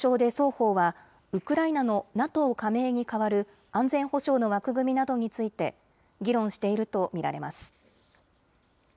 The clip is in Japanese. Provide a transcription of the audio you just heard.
交渉で双方はウクライナのＮＡＴＯ加盟に代わる安全保障の枠組みなどについて議論しているとみられます。